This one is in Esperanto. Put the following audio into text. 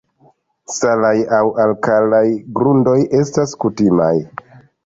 Salaj aŭ alkalaj grundoj estas kutimaj.